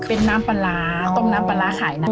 เป็นน้ำปลาร้าต้มน้ำปลาร้าขายน้ำ